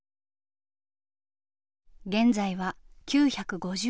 現在は９５１円。